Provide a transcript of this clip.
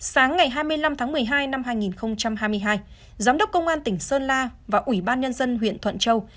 sáng ngày hai mươi năm tháng một mươi hai năm hai nghìn hai mươi hai giám đốc công an tỉnh sơn la và ủy ban nhân dân huyện thuận châu